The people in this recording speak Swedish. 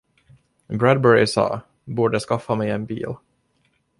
Bradbury sade “borde skaffa mig en bil”.